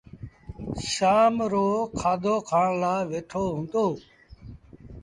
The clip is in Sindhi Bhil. شآم رو کآڌو کآڻ لآ ويٺو هُݩدو